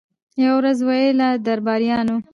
یوه ورځ ورته ویله درباریانو